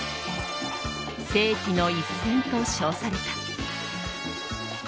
世紀の一戦と称された。